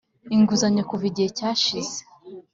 inguzanyo kuva igihe cyashize.